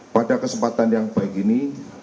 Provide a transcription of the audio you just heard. pada kesempatan yang baik ini